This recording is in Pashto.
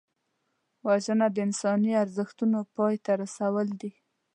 وژنه د انساني ارزښتونو پای ته رسول دي